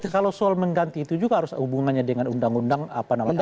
kalau soal mengganti itu juga harus hubungannya dengan undang undang apa namanya